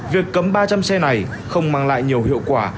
việc cấm ba trăm linh xe này không mang lại nhiều hiệu quả